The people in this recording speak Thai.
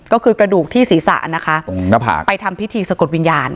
ก็คือกระดูกที่ศีรษะนะคะตรงหน้าผากไปทำพิธีสะกดวิญญาณ